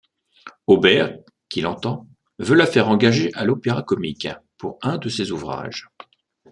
Auber, qui l'entend, veut la faire engager à l'Opéra-Comique pour un de ses ouvrages.